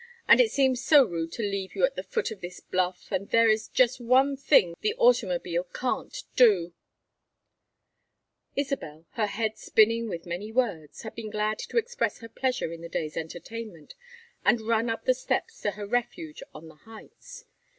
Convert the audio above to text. And it seems so rude to leave you at the foot of this bluff; but there is just one thing the automobile can't do " Isabel, her head spinning with many words, had been glad to express her pleasure in the day's entertainment and run up the steps to her refuge on the heights.